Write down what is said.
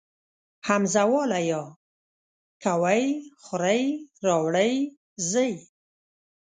همزه واله ئ کوئ خورئ راوړئ ځئ